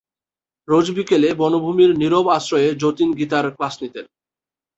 রোজ বিকেলে বনভূমির নীরব আশ্রয়ে যতীন গীতার ক্লাস নিতেন।